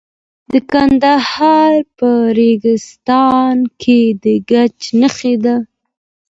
د کندهار په ریګستان کې د ګچ نښې شته.